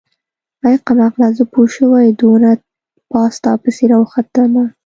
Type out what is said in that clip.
ای کمقله زه پوشوې دونه پاس تاپسې راوختلمه.